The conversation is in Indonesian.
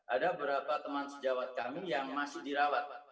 ada berapa teman sejawat kami yang masih dirawat